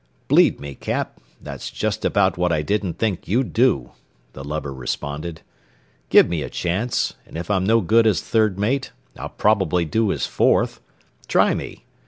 "Bleed me, cap, that's just about what I didn't think you'd do," the lubber responded. "Give me a chance, 'n' if I'm no good as third mate, I'll probably do as fourth. Try me.